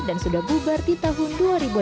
dan sudah bubar di tahun dua ribu lima belas